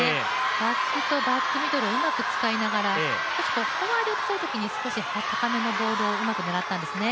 バックとバックミドル、うまく使いながら少しフォアでくるときに高めのボールを狙ったんですね。